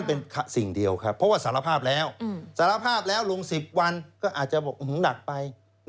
เพราะว่าสารภาพแล้วสารภาพแล้วลง๑๐วันก็อาจจะหงดักไป